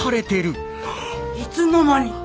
いつの間に。